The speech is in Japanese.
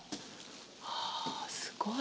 はあすごい。